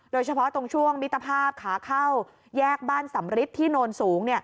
โดยเฉพาะตรงช่วงมิตรภาพขาเข้าแยกบ้านสำริทที่โนนสูง